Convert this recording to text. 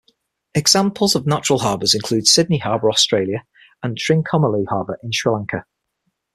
Examples of natural harbors include Sydney Harbour, Australia and Trincomalee Harbour in Sri Lanka.